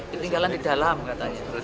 ketinggalan di dalam katanya